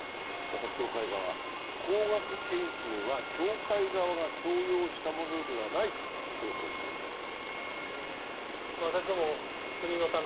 また教会側、高額献金は教会側が強要したものではないと強調しています。